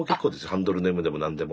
ハンドルネームでも何でも。